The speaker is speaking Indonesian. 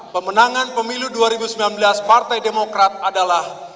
pemenangan pemilu dua ribu sembilan belas partai demokrat adalah